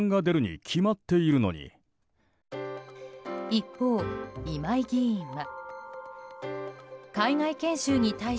一方、今井議員は。